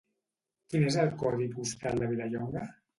Quin és el codi postal de Vilallonga?